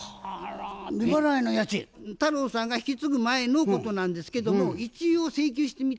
太郎さんが引き継ぐ前のことなんですけども一応請求してみたの。